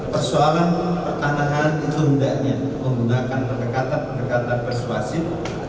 persoalan pertanahan itu hendaknya menggunakan pendekatan pendekatan persuasif